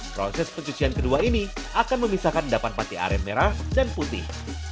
proses pencucian kedua ini akan memisahkan endapan pate aren merah dan putih